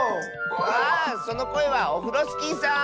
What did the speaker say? あそのこえはオフロスキーさん。